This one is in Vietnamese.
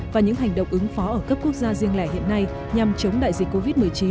và những hành động ứng phó ở cấp quốc gia riêng lẻ hiện nay nhằm chống đại dịch covid một mươi chín